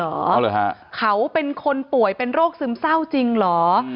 เอาเหรอฮะเขาเป็นคนป่วยเป็นโรคซึมเศร้าจริงเหรอ